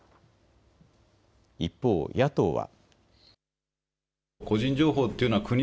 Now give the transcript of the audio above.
一方、野党は。